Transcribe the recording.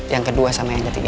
yang kedua sama yang ketiga